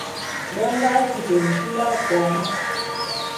Be nga kute nkul akon.